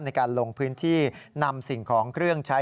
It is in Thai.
ในการลงพื้นที่นำสิ่งของเครื่องใช้